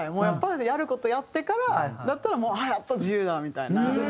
やっぱりやる事やってからだったらもうやっと自由だみたいな。